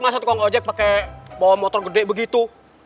masa tukang ojek pakai bawa motor gede begitu